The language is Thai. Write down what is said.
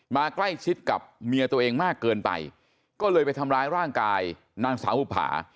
มาใกล้ชิดกับเมียตัวเองมากเกินไปก็เลยไปทำร้ายร่างกายนางสาวบุภา